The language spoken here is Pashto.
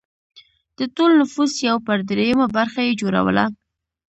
د ټول نفوس یو پر درېیمه برخه یې جوړوله.